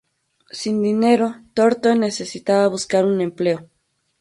Sin dinero, Thornton necesitaba buscar un empleo.